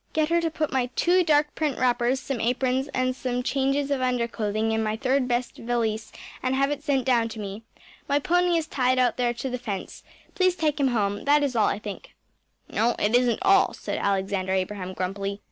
Get her to put my two dark print wrappers, some aprons, and some changes of underclothing in my third best valise and have it sent down to me. My pony is tied out there to the fence. Please take him home. That is all, I think.‚ÄĚ “No, it isn’t all,‚ÄĚ said Alexander Abraham grumpily.